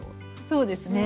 そうですね。